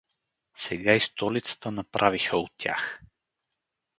… Сега и столицата направиха у тях!